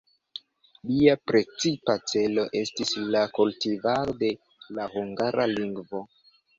Lia precipa celo estis la kultivado de la hungara lingvo.